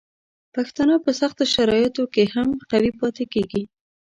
پښتانه په سختو شرایطو کې هم قوي پاتې کیږي.